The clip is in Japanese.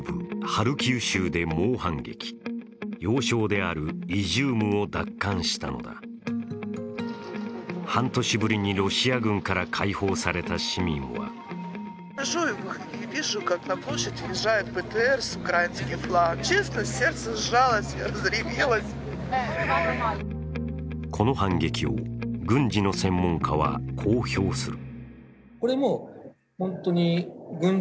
ハルキウ州で猛反撃、要衝であるイジュームを奪還したが半年ぶりにロシア軍から解放された市民はこの反撃を軍事の専門家はこう評する。